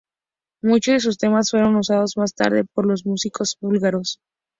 Muchos de sus temas fueron usados, más tarde, por los músicos búlgaros.